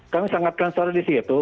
kami sangat cancer di situ